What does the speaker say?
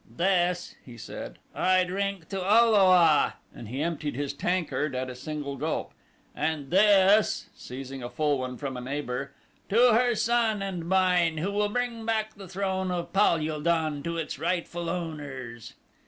"This," he said, "I drink to O lo a," and he emptied his tankard at a single gulp. "And this," seizing a full one from a neighbor, "to her son and mine who will bring back the throne of Pal ul don to its rightful owners!"